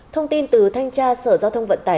thông tin từ thanh tra sở giao thông vận tải